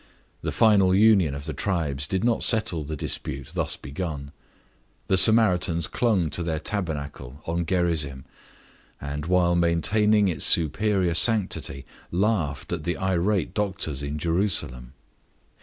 The final union of the tribes did not settle the dispute thus begun. The Samaritans clung to their tabernacle on Gerizim, and, while maintaining its superior sanctity, laughed at the irate doctors in Jerusalem.